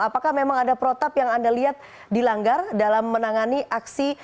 apakah memang ada protap yang anda lihat dilanggar dalam menangani aksi